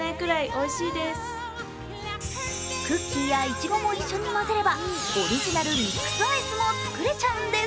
クッキーやいちごも一緒に混ぜれば、オリジナルミックスアイスも作れちゃうんです。